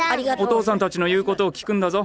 お父さんたちの言うことを聞くんだぞ。